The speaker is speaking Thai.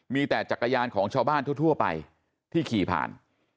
มีแต่จักรยานของชาวบ้านทั่วไปที่ขี่ผ่าน